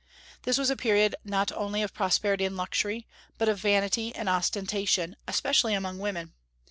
This was a period not only of prosperity and luxury, but of vanity and ostentation, especially among women.